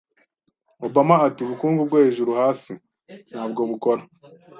Obama ati: "Ubukungu bwo hejuru-hasi ntabwo bukora.